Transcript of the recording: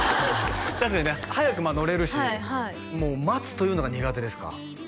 確かにね早く乗れるしはいはいもう待つというのが苦手ですか？